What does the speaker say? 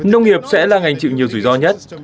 nông nghiệp sẽ là ngành chịu nhiều rủi ro nhất